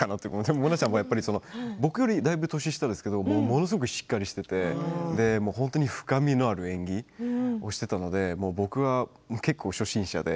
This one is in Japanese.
萌音ちゃんは僕よりだいぶ年下ですけれどもだいぶしっかりしていて本当に深みがある演技をしていたので僕は結構、初心者で。